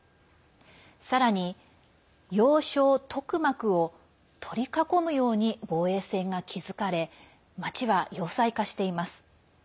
さらに要衝トクマクを取り囲むように防衛線が築かれ町は要塞化しています。